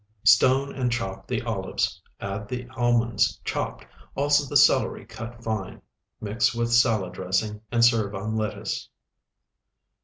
Stone and chop the olives. Add the almonds chopped, also the celery cut fine. Mix with salad dressing and serve on lettuce.